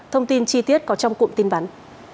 thông tin chi tiết có trong cụm tin vắn